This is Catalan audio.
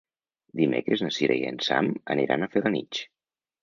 Dimecres na Sira i en Sam aniran a Felanitx.